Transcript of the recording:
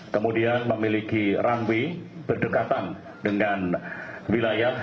kemudian memiliki runway berdekatan dengan wilayah